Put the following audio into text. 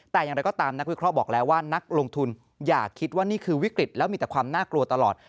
แต่อย่างไรก็ตามนักวิเคราะห์บอกแล้วว่านักลงทุนอย่าคิดว่านี่คือวิกฤตแล้วมีแต่ความน่ากลัวตลอด